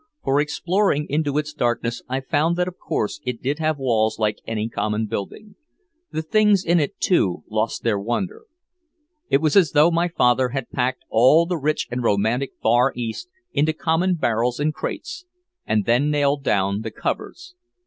For exploring into its darkness I found that of course it did have walls like any common building. The things in it, too, lost their wonder. It was as though my father had packed all the rich and romantic Far East into common barrels and crates and then nailed down the covers.